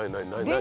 何？